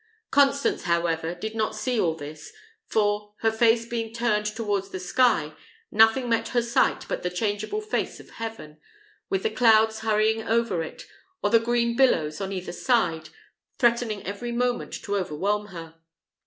Constance, however, did not see all this; for, her face being turned towards the sky, nothing met her sight but the changeable face of heaven, with the clouds hurrying over it, or the green billows on either side, threatening every moment to overwhelm her.